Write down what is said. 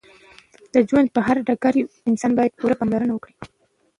د ژوند په هر ډګر کې انسان باید پوره پاملرنه وکړې